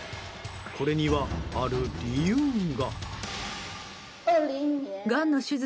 これには、ある理由が。